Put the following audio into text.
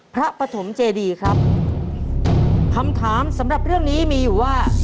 ปฐมเจดีครับคำถามสำหรับเรื่องนี้มีอยู่ว่า